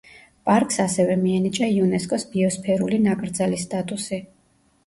პარკს ასევე მიენიჭა იუნესკოს ბიოსფერული ნაკრძალის სტატუსი.